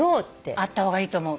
あった方がいいと思う。